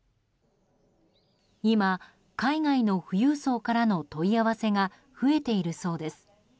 今、海外の富裕層からの問い合わせが増えているそうです。